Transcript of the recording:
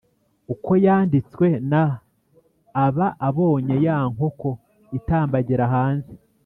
uko yanditswe na (aba abonye ya nkoko itambagira hanze)